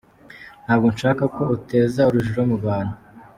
Ntabwo nshaka ko uteza urujijo mu bantu.